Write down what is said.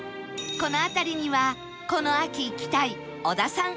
この辺りにはこの秋行きたい小田さん